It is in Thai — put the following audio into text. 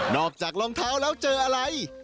อกจากรองเท้าแล้วเจออะไร